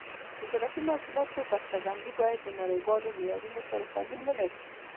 د زراعتي محصولاتو بسته بندي باید د نړیوالو معیارونو سره سمون ولري.